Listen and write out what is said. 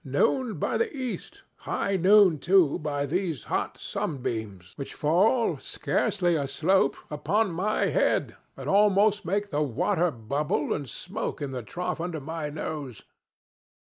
Noon by the east! High noon, too, by these hot sunbeams, which full, scarcely aslope, upon my head and almost make the water bubble and smoke in the trough under my nose.